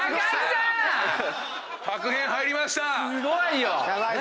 すごいよ！